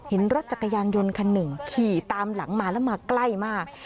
เห็นรถจักรยานยนต์คันหนึ่งขี่ตามหลังมาแล้วมาใกล้มาก